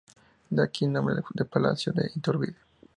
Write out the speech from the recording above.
De aquí el nombre de palacio de Iturbide.